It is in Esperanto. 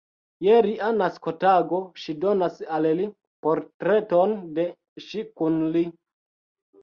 Je lia naskotago ŝi donas al li portreton de ŝi kun li.